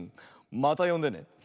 またよんでね。